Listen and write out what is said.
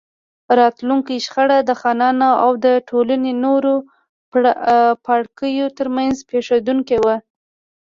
راتلونکې شخړه د خانانو او د ټولنې نورو پاړکیو ترمنځ پېښېدونکې وه.